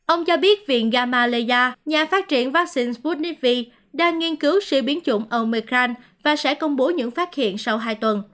ông cho biết viện gamaleya nhà phát triển vaccine sputnif v đang nghiên cứu siêu biến chủng omecrand và sẽ công bố những phát hiện sau hai tuần